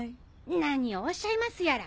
何をおっしゃいますやら。